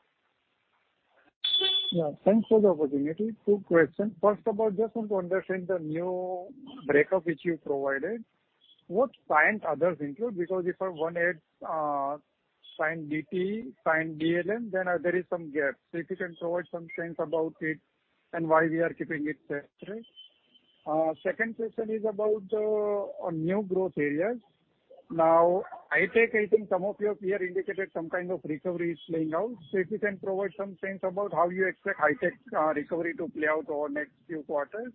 Yeah, thanks for the opportunity. Two questions. First of all, just want to understand the new breakup which you provided. What Cyient others include? If I want a Cyient DET, Cyient DLM, there is some gap. If you can provide some things about it and why we are keeping it separate. Second question is about on New Growth Areas. I think some of your peer indicated some kind of recovery is playing out. If you can provide some things about how you expect high-tech recovery to play out over the next few quarters.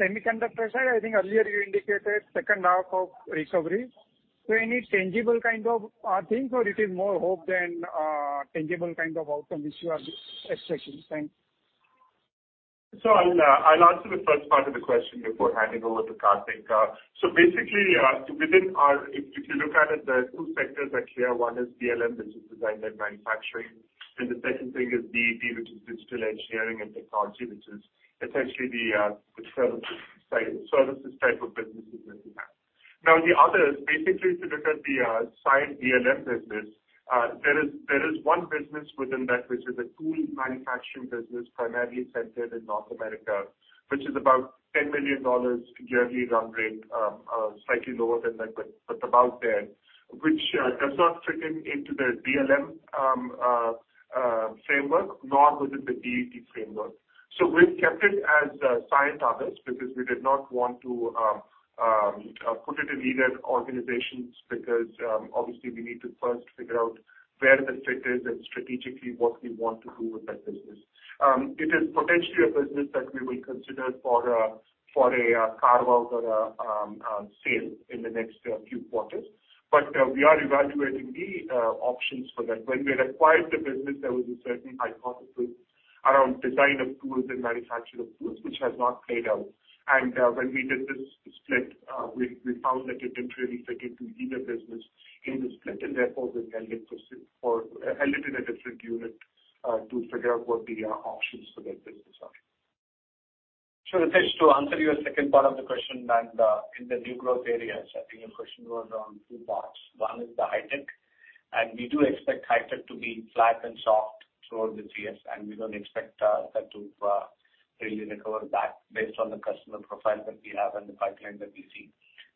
Semiconductor side, I think earlier you indicated second half of recovery. Any tangible kind of things, or it is more hope than tangible kind of outcome which you are expecting? Thanks. I'll answer the first part of the question before handing over to Karthik. Basically, if you look at it, there are two sectors are clear. One is DLM, which is design and manufacturing. The second thing is DET, which is digital engineering and technology, which is essentially the services type of businesses that we have. The other is basically to look at the side DLM business. There is one business within that, which is a tool manufacturing business, primarily centered in North America, which is about $10 million yearly run rate, slightly lower than that, but about there, which does not fit into the DLM framework, nor within the DET framework. We've kept it as Cyient others, because we did not want to put it in either organizations, because obviously, we need to first figure out where that fit is and strategically what we want to do with that business. It is potentially a business that we will consider for a for a carve out or a sale in the next few quarters. We are evaluating the options for that. When we acquired the business, there was a certain hypothesis around design of tools and manufacture of tools, which has not played out. When we did this split, we found that it didn't really fit into either business in the split, and therefore, we held it for, held it in a different unit, to figure out what the options for that business are. Sure, Dipesh, to answer your second part of the question, in the new growth areas, I think your question was on two parts. One is the high-tech, we do expect high-tech to be flat and soft throughout this year, we don't expect that to really recover back based on the customer profile that we have and the pipeline that we see.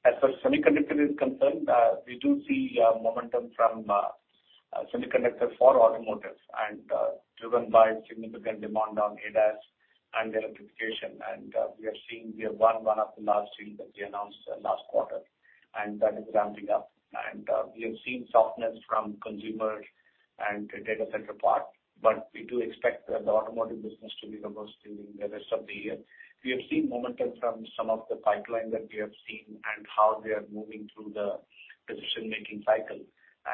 As for semiconductor is concerned, we do see momentum from semiconductor for automotive and driven by significant demand on ADAS and the electrification. We are seeing, we have won one of the large deals that we announced last quarter, and that is ramping up. We have seen softness from consumer and data center part, but we do expect the automotive business to be the most during the rest of the year. We have seen momentum from some of the pipeline that we have seen and how they are moving through the decision making cycle,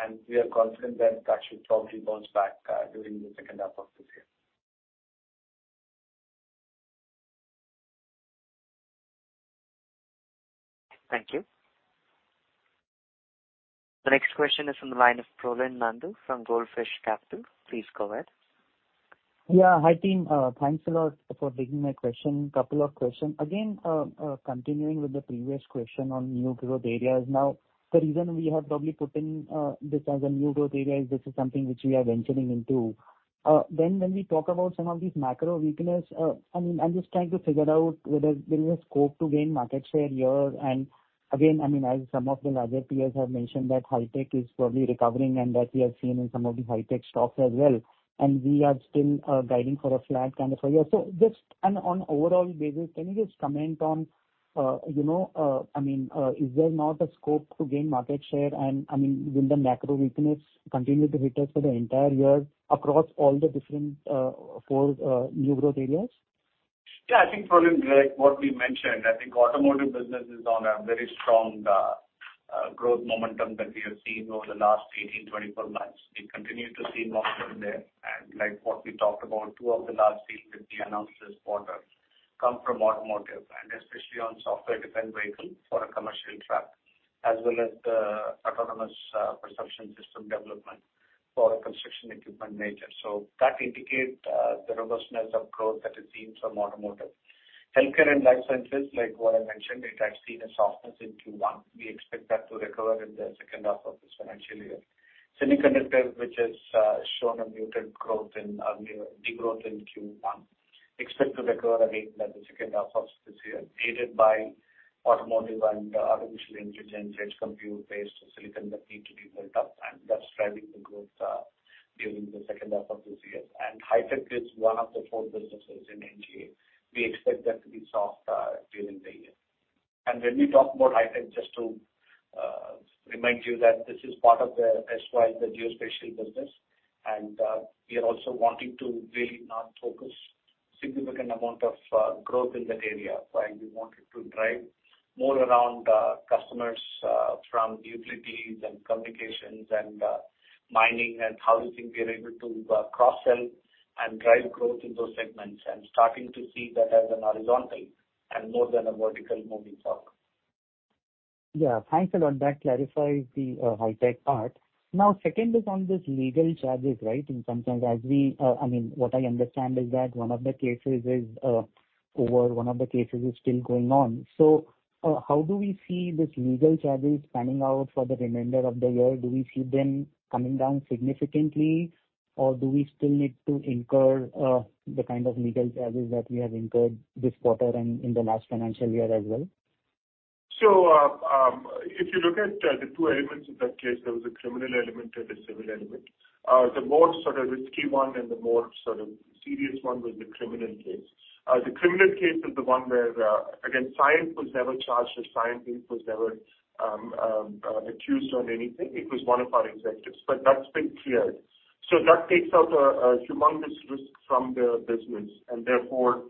and we are confident that that should probably bounce back, during the H2 of this year Thank you. The next question is from the line of Prolin Nandu from Goldfish Capital. Please go ahead. Yeah. Hi, team. Thanks a lot for taking my question. Couple of questions. Again, continuing with the previous question on New Growth Areas. The reason we have probably put in this as a New Growth Area is this is something which we are venturing into. Then when we talk about some of these macro weakness, I mean, I'm just trying to figure out whether there is a scope to gain market share here. Again, I mean, as some of the larger peers have mentioned, that high-tech is probably recovering and that we have seen in some of the high-tech stocks as well, and we are still guiding for a flat kind of year. Just, on overall basis, can you just comment on, you know, I mean, is there not a scope to gain market share? I mean, will the macro weakness continue to hit us for the entire year across all the different four New Growth Areas? Yeah, I think, Praveen, like what we mentioned, I think automotive business is on a very strong growth momentum that we have seen over the last 18, 24 months. We continue to see momentum there. Like what we talked about, two of the last big 50 announcements quarter come from automotive, and especially on software-defined vehicle for a commercial truck, as well as the autonomous perception system development for a construction equipment major. That indicate the robustness of growth that is seen from automotive. Healthcare and life sciences, like what I mentioned, it has seen a softness in Q1. We expect that to recover in the second half of this financial year. Semiconductor, which has shown a muted growth in degrowth in Q1, expect to recover again in the H2 of this year, aided by automotive and artificial intelligence, edge compute-based silicon that need to be built up, and that's driving the growth during the H2 of this year. Hi-Tech is one of the four businesses in NGA. We expect that to be soft during the year. When we talk about Hi-Tech, just to remind you that this is part of the SY, the geospatial business, and we are also wanting to really not focus significant amount of growth in that area. While we want it to drive more around, customers, from utilities and communications and, mining, and how do you think we are able to, cross-sell and drive growth in those segments, and starting to see that as an horizontal and more than a vertical moving talk. Yeah, thanks a lot. That clarifies the Hi-Tech part. Second is on this legal charges, right? Sometimes as I mean, what I understand is that one of the cases is over, one of the cases is still going on. How do we see this legal charges panning out for the remainder of the year? Do we see them coming down significantly, or do we still need to incur the kind of legal charges that we have incurred this quarter and in the last financial year as well? If you look at the two elements of that case, there was a criminal element and a civil element. The more sort of risky one and the more sort of serious one was the criminal case. The criminal case is the one where again, Cyient was never charged, or Cyient Inc. was never accused on anything. It was one of our executives, but that's been cleared. That takes out a humongous risk from the business, and therefore,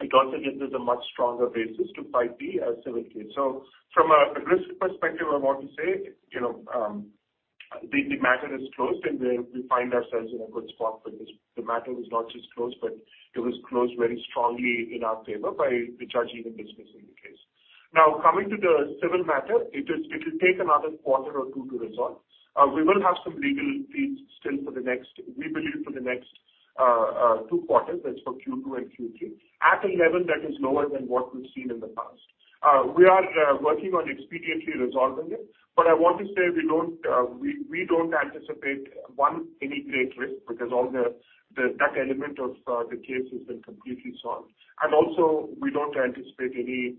it also gives us a much stronger basis to fight the civil case. From a risk perspective, I want to say, you know, the matter is closed, and we find ourselves in a good spot for this. The matter was not just closed, but it was closed very strongly in our favor by the judge, even dismissing the case. Coming to the civil matter, it will take another quarter or two to resolve. We will have some legal fees still for the next, we believe, for the next, two quarters. That's for Q2 and Q3, at a level that is lower than what we've seen in the past. We are working on expediently resolving it, but I want to say we don't anticipate, one, any great risk, because all the that element of the case has been completely solved. Also, we don't anticipate any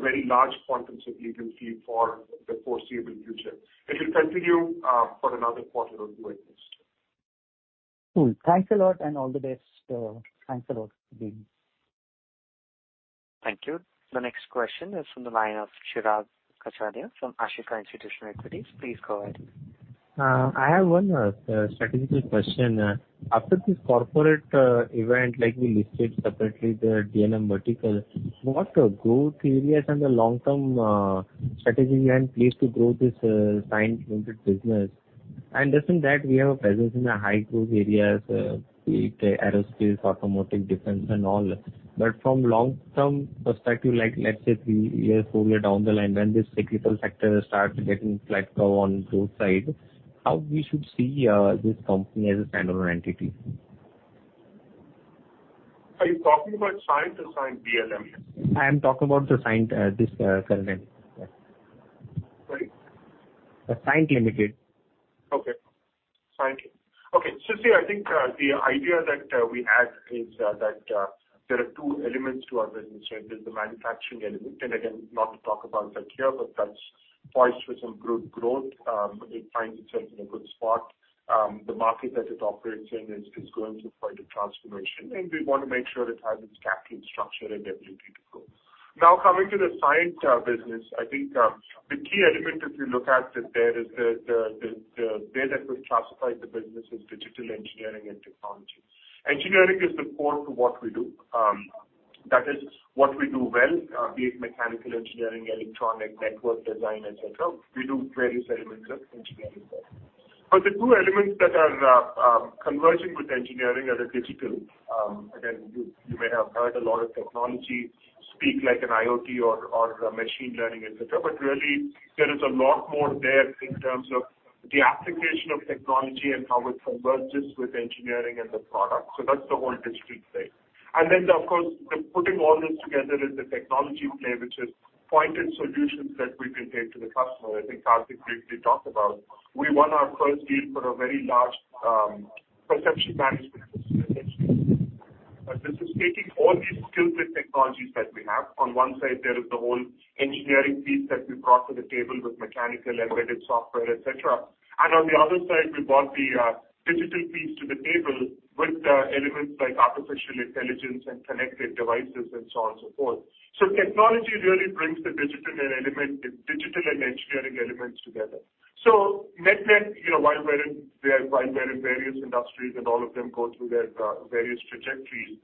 very large quantums of legal fee for the foreseeable future. It will continue for another quarter or two at least. Cool. Thanks a lot, and all the best. Thanks a lot, Deep. Thank you. The next question is from the line of Chirag Kachhadiya from Ashika Institutional Equities. Please go ahead. I have one statistical question. After this corporate event, like we listed separately, the DLM vertical, what growth areas and the long-term strategy and place to grow this Cyient Limited business? Doesn't that we have a presence in the high growth areas, be it aerospace, automotive, defense and all? From long-term perspective, like let's say three years, four years down the line, when this cyclical sector starts getting flat growth on growth side, how we should see this company as a standalone entity? Are you talking about Cyient or Cyient DLM? I am talking about the Cyient, this, current name, yeah. Sorry? The Cyient Limited. Okay. Cyient. Okay, see, I think, the idea that we had is that there are two elements to our business. There's the manufacturing element, and again, not to talk about that here, but that's poised for some good growth. It finds itself in a good spot. The market that it operates in is going through quite a transformation, and we want to make sure it has its capital structure and ability to grow. Coming to the Cyient business, I think, the key element, if you look at it, there is the way that we've classified the business is Digital, Engineering and Technology. Engineering is the core to what we do. That is what we do well, be it mechanical engineering, electronic, network design, etc. We do various elements of engineering well. The two elements that are converging with engineering are the digital. Again, you may have heard a lot of technology speak like an IoT or machine learning, et cetera, but really there is a lot more there in terms of the application of technology and how it converges with engineering and the product. That's the whole digital play. Then, of course, the putting all this together is the technology play, which is pointed solutions that we can take to the customer. I think Karthik briefly talked about. We won our first deal for a very large perception management solution. This is taking all these skillful technologies that we have. On one side, there is the whole engineering piece that we brought to the table with mechanical, embedded software, et cetera. On the other side, we brought the digital piece to the table with elements like artificial intelligence and connected devices and so on, so forth. Technology really brings the digital element, the digital and engineering elements together. Net-net, you know, while we're in various industries, and all of them go through their various trajectories,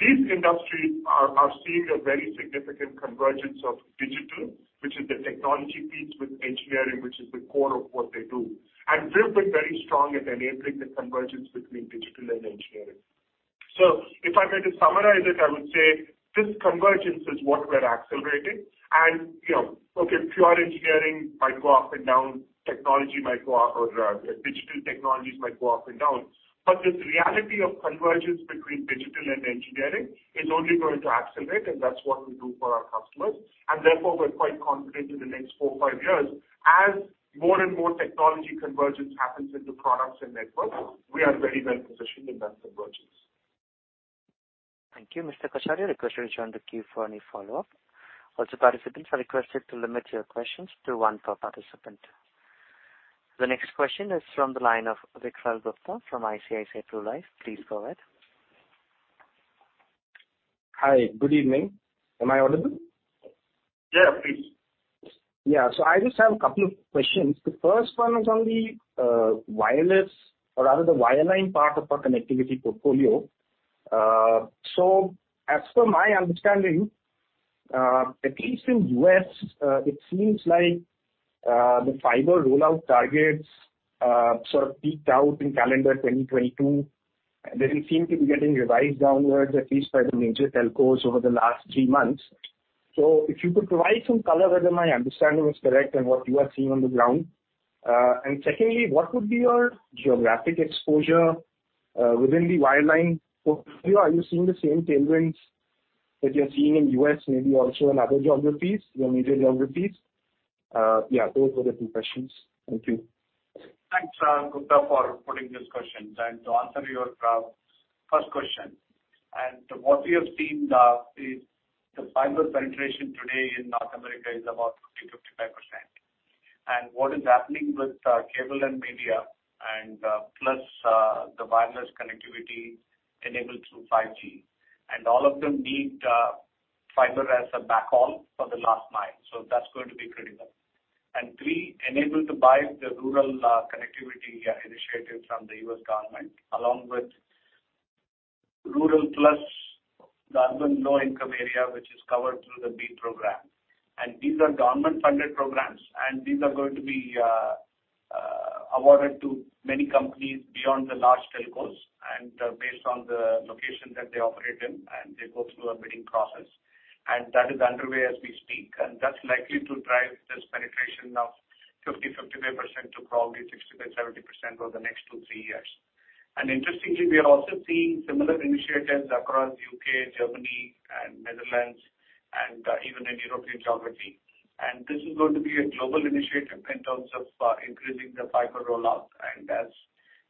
these industries are seeing a very significant convergence of digital, which is the technology piece with engineering, which is the core of what they do. We've been very strong at enabling the convergence between digital and engineering. If I were to summarize it, I would say this convergence is what we're accelerating. You know, okay, pure engineering might go up and down, technology might go up, or digital technologies might go up and down, but this reality of convergence between digital and engineering is only going to accelerate, and that's what we do for our customers. Therefore, we're quite confident in the next four, five years, as more and more technology convergence happens into products and networks, we are very well positioned in that convergence. Thank you, Mr.Kachhadiya. Request you to join the queue for any follow-up. Also, participants are requested to limit your questions to one per participant. The next question is from the line of Vikram Gupta from ICICI Prulife. Please go ahead. Hi, good evening. Am I audible? Yeah, please. Yeah. I just have a couple of questions. The first one is on the wireless or rather the wireline part of our connectivity portfolio. As per my understanding, at least in US, it seems like the fiber rollout targets sort of peaked out in calendar 2022, and they seem to be getting revised downwards, at least by the major telcos over the last three months. If you could provide some color, whether my understanding is correct and what you are seeing on the ground. Secondly, what would be your geographic exposure within the wireline portfolio? Are you seeing the same tailwinds that you're seeing in US, maybe also in other geographies, your major geographies? Yeah, those were the two questions. Thank you. Thanks, Gupta, for putting these questions. To answer your first question, what we have seen is the fiber penetration today in North America is about 50 to 55%. What is happening with cable and media, plus the wireless connectivity enabled through 5G, all of them need fiber as a backhaul for the last mile. That's going to be critical. Three, enabled by the rural connectivity initiative from the US government, along with rural plus the urban low-income area, which is covered through the BEAD program. These are government-funded programs, these are going to be awarded to many companies beyond the large telcos, based on the location that they operate in, they go through a bidding process, that is underway as we speak. That's likely to drive this penetration of 50%, 55% to probably 65%, 70% over the next two, three years. Interestingly, we are also seeing similar initiatives across U.K., Germany and Netherlands, even in European geography. This is going to be a global initiative in terms of increasing the fiber rollout. As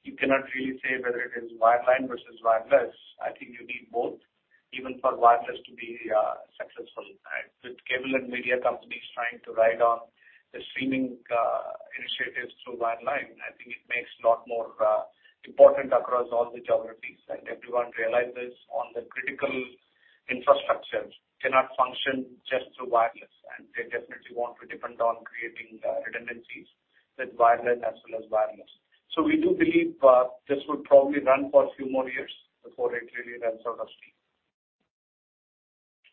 you cannot really say whether it is wireline versus wireless, I think you need both, even for wireless to be successful. With cable and media companies trying to ride on the streaming initiatives through wireline, I think it makes a lot more important across all the geographies. Everyone realizes on the critical infrastructure cannot function just through wireless, and they definitely want to depend on creating redundancies with wireline as well as wireless. We do believe this would probably run for a few more years before it really runs out of steam.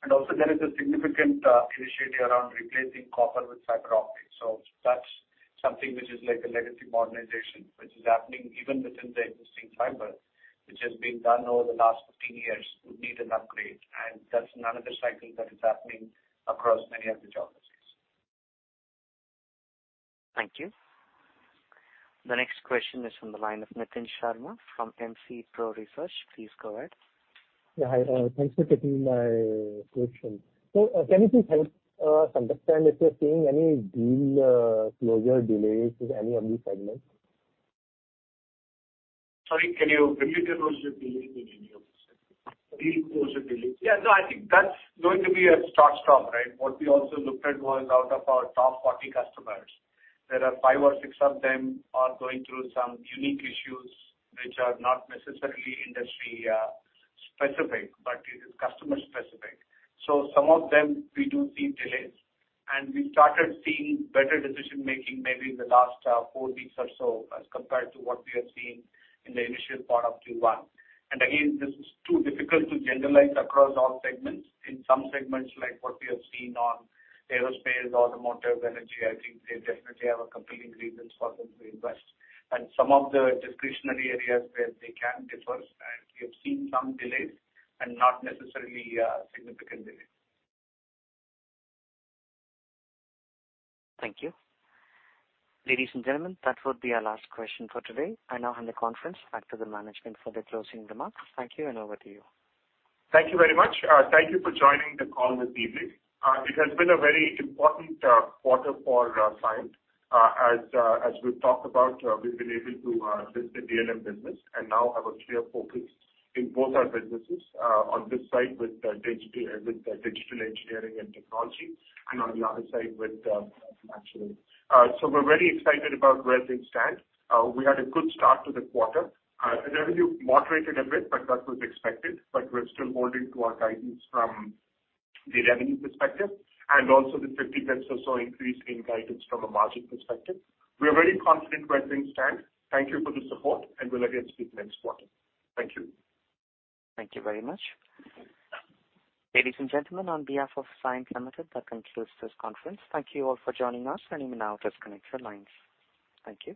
Also there is a significant initiative around replacing copper with fiber optics. That's something which is like a legacy modernization, which is happening even within the existing fiber, which has been done over the last 15 years, would need an upgrade, and that's another cycle that is happening across many of the geographies. Thank you. The next question is from the line of Nitin Sharma from MC Pro Research. Please go ahead. Yeah, hi, thanks for taking my question. Can you please help understand if you're seeing any deal closure delays in any of these segments? Sorry, can you repeat those deals in any of the segments? Deal closure delays. Yeah, no, I think that's going to be a start stop, right? What we also looked at was out of our top 40 customers, there are five or six of them are going through some unique issues, which are not necessarily industry specific, but it is customer specific. Some of them, we do see delays, and we started seeing better decision-making maybe in the last four weeks or so, as compared to what we have seen in the initial part of Q1. Again, this is too difficult to generalize across all segments. In some segments, like what we have seen on aerospace, automotive, energy, I think they definitely have a compelling reasons for them to invest. Some of the discretionary areas where they can disperse, and we have seen some delays and not necessarily, significant delays. Thank you. Ladies and gentlemen, that would be our last question for today. I now hand the conference back to the management for the closing remarks. Thank you. Over to you. Thank you very much. Thank you for joining the call this evening. It has been a very important quarter for Cyient. As we've talked about, we've been able to list the DLM business and now have a clear focus in both our businesses, on this side with Digital Engineering and Technology, and on the other side with manufacturing. We're very excited about where things stand. We had a good start to the quarter. The revenue moderated a bit, but that was expected, but we're still holding to our guidance from the revenue perspective and also the 50 pipes or so increase in guidance from a margin perspective. We are very confident where things stand. Thank you for the support and we'll again speak next quarter. Thank you. Thank you very much. Ladies and gentlemen, on behalf of Cyient Limited, that concludes this conference. Thank you all for joining us, and you may now disconnect your lines. Thank you.